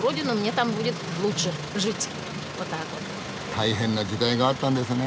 大変な時代があったんですね。